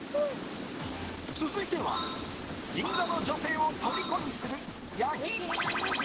続いては銀座の女性をとりこにする焼き○○。